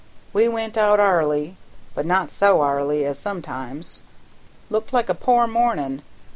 We went out 'arly, but not so 'arly as sometimes; looked like a poor mornin'.